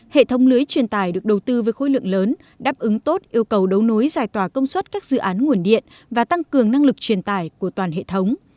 hệ thống lưới truyền tải được đầu tư với khối lượng lớn đáp ứng tốt yêu cầu đấu nối giải tỏa công suất các dự án nguồn điện và tăng cường năng lực truyền tải của toàn hệ thống